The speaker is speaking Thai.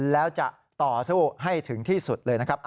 แล้วจะต่อสู้ให้ถึงที่สุดเลยนะครับ